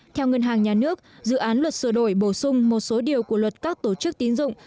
theo ngân hàng nhà nước dự án luật sửa đổi bổ sung một số điều của luật các tổ chức tín dụng